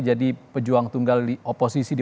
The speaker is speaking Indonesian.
jadi pejuang tunggal oposisi di